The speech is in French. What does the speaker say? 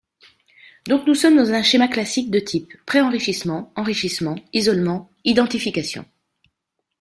Donc, nous sommes dans un schéma classique de type préenrichissement, enrichissement, isolement, identification.